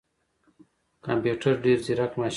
کمپيوټر ډیر ځیرک ماشین دی